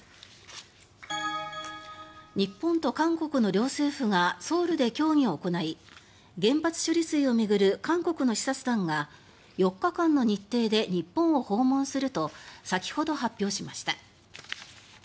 日本と韓国の両政府がソウルで協議を行い原発処理水を巡る韓国の視察団が４日間の日程で日本を訪問すると先ほど発表しました。